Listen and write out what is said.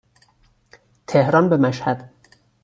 تهران به مشهد